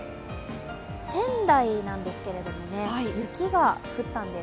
仙台なんですけれども、雪が降ったんです。